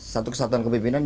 satu kesatuan kepemimpinan